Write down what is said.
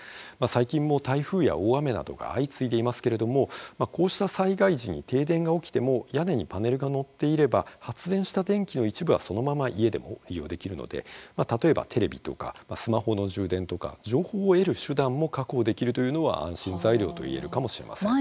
最近も、台風や大雨などが相次いでいますけれどもこうした災害時に停電が起きても屋根にパネルが載っていれば発電した電気の一部はそのまま家でも利用できるので例えば、テレビとかスマホの充電とか情報を得る手段も確保できるというのは安心材料といえるかもしれません。